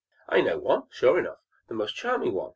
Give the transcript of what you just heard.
"I know one, sure enough the most charming one!"